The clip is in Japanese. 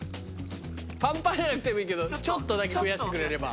ぱんぱんじゃなくてもいいけどちょっとだけ増やしてくれれば。